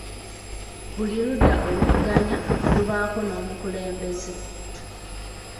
Buli ludda oluvuganya lubaako n'omukulembeze.